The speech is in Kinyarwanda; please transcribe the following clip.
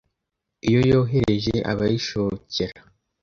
Iyo yohereje abayishokera